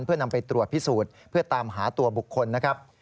เพื่อนำไปตรวจพิสูจน์เพื่อตามหาตัวบุคคลนะครับ